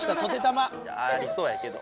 ありそうやけど。